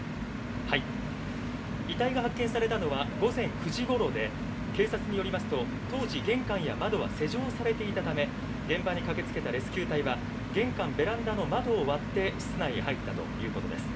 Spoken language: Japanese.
遺体が発見されたのは午前９時ごろで警察によりますと、当時、玄関や窓は施錠されていたため、現場に駆けつけたレスキュー隊は玄関ベランダの窓を割って室内に入ったということです。